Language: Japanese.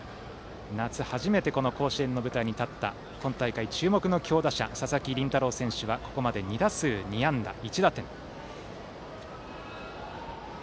夏、初めて甲子園の舞台に立った今大会注目の強打者佐々木麟太郎選手はここまで２打数２安打１打点。